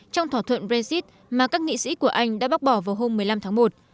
trong thỏa thuận brexit mà các nghị sĩ của anh đã bác bỏ vào hôm một mươi năm tháng một